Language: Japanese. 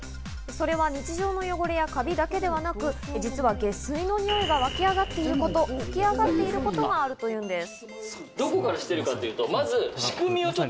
それは日常の汚れやカビだけではなく、実は下水のニオイがわき上がっているのと吹き上がっていることだといいます。